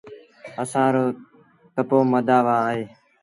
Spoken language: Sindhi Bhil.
اسآݩ رو تپو مندآ وآه اهي